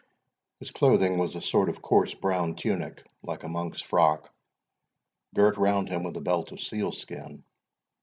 His clothing was a sort of coarse brown tunic, like a monk's frock, girt round him with a belt of seal skin.